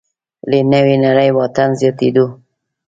له نوې نړۍ واټن زیاتېدو